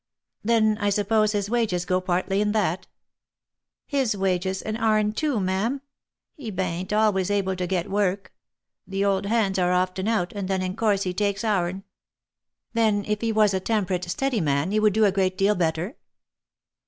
" Then I suppose his wages go partly in that?" " His wages, and our'n too, ma'am. He baint always able to get work. The old hands are often out, and then in course he takes our'n." " Then if he was a temperate, steady man, you would do a great deal better?"